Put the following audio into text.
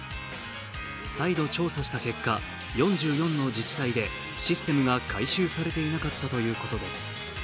再度調査した結果、４４の自治体でシステムが改修されていなかったということです。